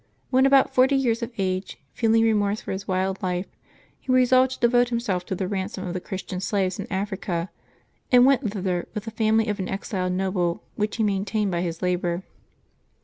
When about forty years of age, feeling remorse for his wild life, he resolved to devote himself to the ran som of the Christian slaves in Africa, and went thither with the family of an exiled noble, which he maintained by his labor.